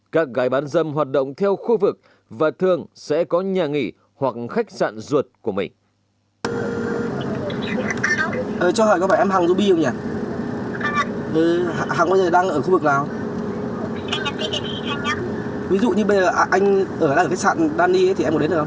các gái bán dâm hoạt động theo khu vực và thường sẽ có nhà nghỉ hoặc khách sạn ruột của mình